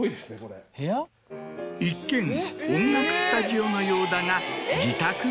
一見音楽スタジオのようだが。